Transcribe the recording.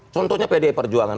contohnya pdi perjuangan